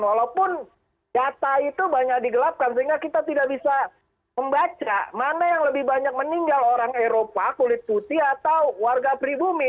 walaupun data itu banyak digelapkan sehingga kita tidak bisa membaca mana yang lebih banyak meninggal orang eropa kulit putih atau warga pribumi